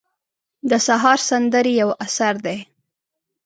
د سهار سندرې یو اثر دی.